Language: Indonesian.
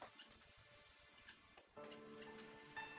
saat dirimu biar pintu emotif yaitu